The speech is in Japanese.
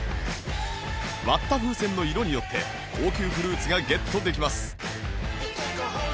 割った風船の色によって高級フルーツがゲットできます